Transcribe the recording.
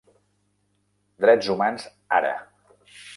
Drets humans ara!